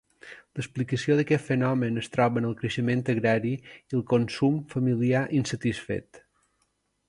L'explicació d'aquest fenomen es troba en el creixement agrari i el consum familiar insatisfet.